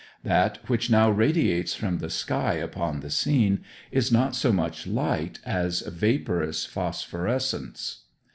That which now radiates from the sky upon the scene is not so much light as vaporous phosphorescence.